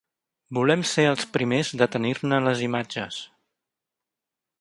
Volem ser els primers de tenir-ne les imatges.